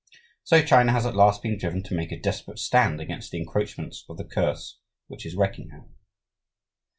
So China has at last been driven to make a desperate stand against the encroachments of the curse which is wrecking her.